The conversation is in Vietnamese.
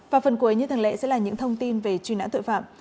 và phần cuối như thường lẽ sẽ là những thông tin về truy nãn tội phạm